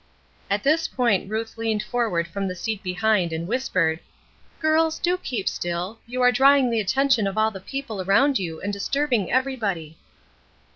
At this point Ruth leaned forward from the seat behind and whispered: "Girls, do keep still; you are drawing the attention of all the people around you and disturbing everybody."